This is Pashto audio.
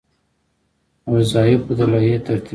د وظایفو د لایحې ترتیب کول.